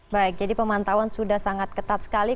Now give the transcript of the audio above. baik jadi pemantauan sudah sangat ketat sekali